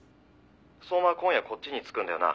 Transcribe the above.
「相馬今夜こっちに着くんだよな？」